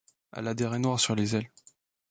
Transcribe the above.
Elle a des raies noires sur les ailes.